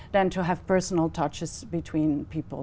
đặc biệt là phương pháp hải phòng